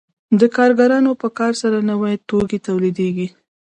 د کارګرانو په کار سره نوي توکي تولیدېږي